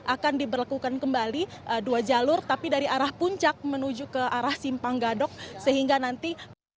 akan diberlakukan kembali dua jalur tapi dari arah puncak menuju ke arah simpang gadok sehingga nanti